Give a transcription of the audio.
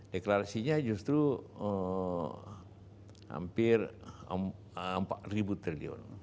deklarasinya justru hampir empat triliun